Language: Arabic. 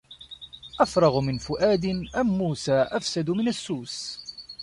أفرغ من فؤاد أم موسى أفسد من السوس